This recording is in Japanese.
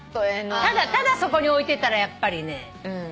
ただそこに置いてたらやっぱりね。